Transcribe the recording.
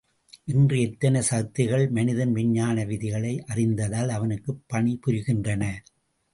இன்று எத்தனை சக்திகள் மனிதன் விஞ்ஞான விதிகளை அறிந்ததால் அவனுக்குப் பணி புரிகின்றன?